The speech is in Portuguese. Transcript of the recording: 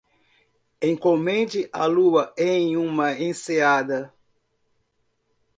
Encomende a lua em uma enseada.